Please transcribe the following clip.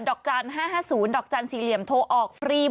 ดอกจาน๕๕๐ดอกจานสี่เหลี่ยมโทรออกฟรี